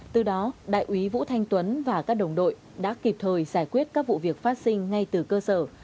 từ đó đại úy vũ thanh tuấn và các đồng đội đã kịp thời giải quyết các vụ việc phát sinh ngay từ cơ sở